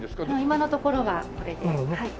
今のところはこれではい。